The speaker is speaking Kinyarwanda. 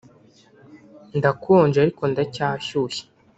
ndakonje ariko ndacyashyushye.